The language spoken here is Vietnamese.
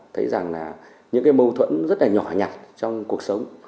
thấy rằng là những cái mâu thuẫn rất là nhỏ nhặt trong cuộc sống